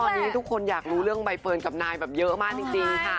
ตอนนี้ทุกคนอยากรู้เรื่องใบเฟิร์นกับนายแบบเยอะมากจริงค่ะ